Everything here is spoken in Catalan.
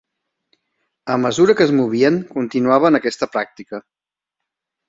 A mesura que es movien, continuaven aquesta pràctica.